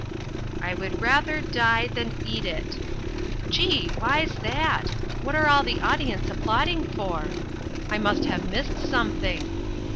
"I WOULD RATHER DIE THAN EAT IT." Gee! Why's that? What are all the audience applauding for? I must have missed something!